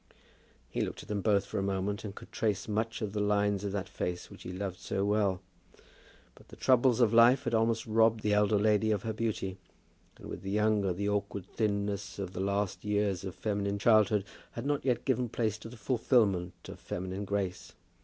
He looked at them both for a moment, and could trace much of the lines of that face which he loved so well. But the troubles of life had almost robbed the elder lady of her beauty; and with the younger, the awkward thinness of the last years of feminine childhood had not yet given place to the fulfilment of feminine grace.